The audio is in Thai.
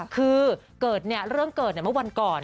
คือเรื่องเกิดเมื่อวันก่อน